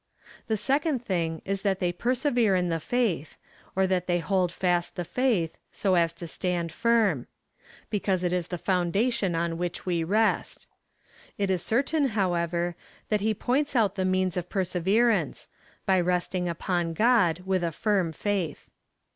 ^ The second thing is that they i^ersevere in the faith, or that they hold fast the faith, so as to stand firm ; because that is the foundation on w^hich we rest. It is certain, how ever, that he points out the means of perseverance — by rest ing upon God with a firm faith..